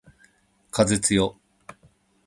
風つよ